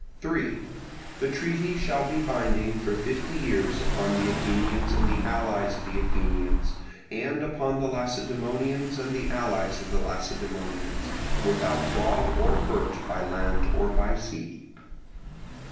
3. The treaty shall be binding for fifty years upon the Athenians and the allies of the Athenians, and upon the Lacedaemonians and the allies of the Lacedaemonians, without fraud or hurt by land or by sea.